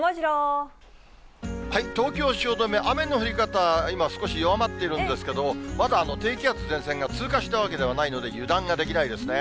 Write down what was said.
東京・汐留、雨の降り方、今、少し弱まっているんですけど、まだ低気圧前線が通過したわけではないので、油断ができないですね。